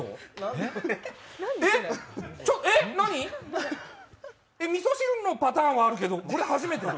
えっ、みそ汁のパターンはあるけどこれ初めてだ。